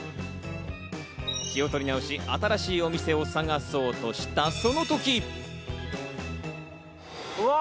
気を取り直し、新しいお店を探そうとしたその時！